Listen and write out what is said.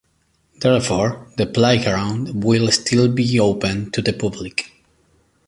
Therefore, the playground will still be open to the public.